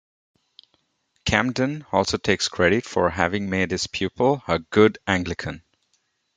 Camden also takes credit for having made his pupil a good Anglican.